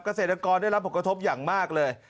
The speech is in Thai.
เกษตรกรได้รับผลกระทบอย่างมากเลย